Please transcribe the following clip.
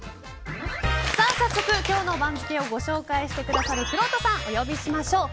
早速、今日の番付をご紹介してくださるくろうとさんをお呼びしましょう。